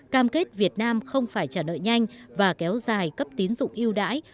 cam kết việt nam không phải trả nợ nhanh và kéo dài cấp tín dụng yêu đãi